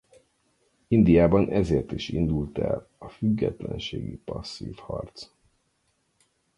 Indiában ezért is indult el a függetlenségi passzív harc.